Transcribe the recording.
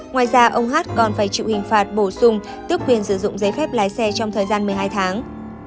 ngoài ra ông hát còn phải chịu hình phạt bổ sung tước quyền sử dụng giấy phép lái xe trong thời gian một mươi hai tháng